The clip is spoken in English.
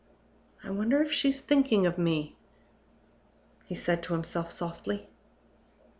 "I wonder if she's thinking of me?" he said to himself softly.